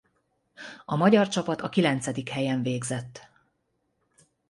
A magyar csapat a kilencedik helyen végzett.